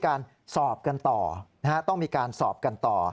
ก็ต้องมีการสอบกันต่อ